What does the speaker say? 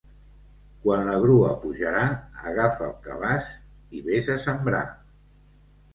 Quan la grua pujarà, agafa el cabàs i ves a sembrar.